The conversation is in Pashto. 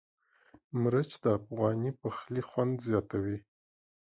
مرچک د افغاني پخلي خوند زیاتوي.